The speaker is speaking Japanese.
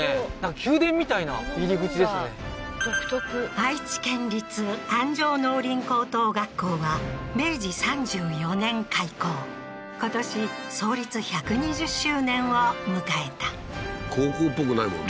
愛知県立安城農林高等学校は明治３４年開校今年創立１２０周年を迎えた高校っぽくないもんね